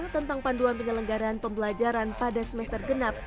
tentang panduan penyelenggaran pembelajaran pada semester genap